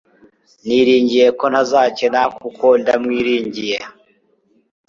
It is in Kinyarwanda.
niringiye ko ntazakena kuko ndamwiringiye